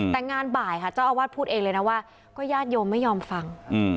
แต่งานบ่ายค่ะเจ้าอาวาสพูดเองเลยนะว่าก็ญาติโยมไม่ยอมฟัง